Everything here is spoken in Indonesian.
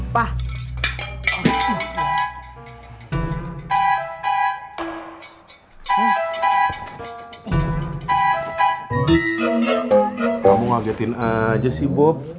pak kamu ngagetin aja sih bob